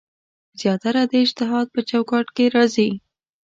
زیاتره د اجتهاد په چوکاټ کې راځي.